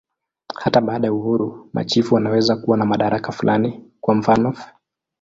Hata baada ya uhuru, machifu wanaweza kuwa na madaraka fulani, kwa mfanof.